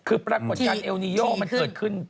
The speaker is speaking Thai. คือประกอบการเหล่นิโยมันเกิดขึ้น